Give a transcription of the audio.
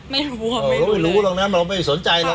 ไม่รู้อะไม่รู้เลยอ๋อเราไม่รู้ตรงนั้นเราไม่สนใจหรอก